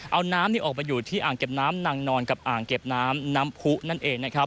เอาน้ำออกมาอยู่ที่อ่างเก็บน้ำนางนอนคืออ่างเก็บน้ำน้ำพุนั่นเอง